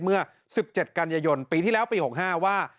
เมื่อ๑๗กันยายนปีที่แล้วปี๖๕ว่า